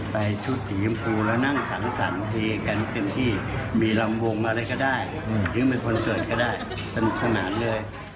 ไปชุดสีชมพูแล้วนั่งสังสรรคเทกันเต็มที่มีลำวงอะไรก็ได้หรือมีคอนเสิร์ตก็ได้สนุกสนานเลย